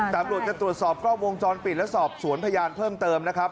ตำรวจจะตรวจสอบกล้องวงจรปิดและสอบสวนพยานเพิ่มเติมนะครับ